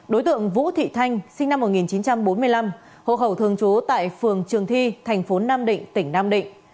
đối tượng vũ thị thanh sinh năm một nghìn chín trăm bốn mươi năm hộ khẩu thường trú tại phường trường thi thành phố nam định tỉnh nam định